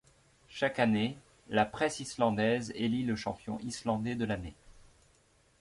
Chaque année, la presse islandaise élit le champion islandais de l'année.